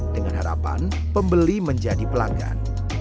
dengan harapan pembeli menjadi pelanggan